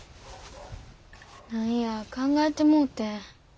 何や考えてもうてん。